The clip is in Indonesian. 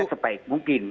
kerja sebaik mungkin